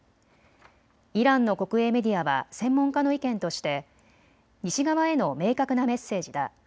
イランの国営メディアは専門家の意見として西側への明確なメッセージだ。